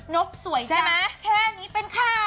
นกสวยจังแค่นี้เป็นข่าว